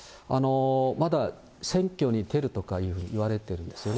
まだ選挙に出るとかいうふうにいわれてるんですよね。